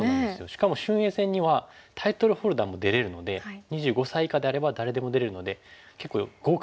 しかも俊英戦にはタイトルホルダーも出れるので２５歳以下であれば誰でも出れるので結構豪華メンバーが。